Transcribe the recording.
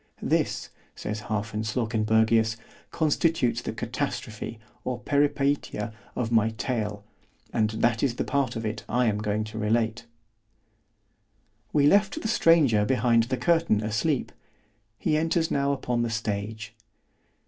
This, says Hafen Slawkenbergius, constitutes the Catastrophe or Peripeitia of my tale—and that is the part of it I am going to relate. We left the stranger behind the curtain asleep——he enters now upon the stage.